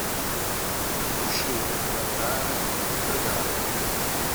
Di uscire, di lavorare, di pregare.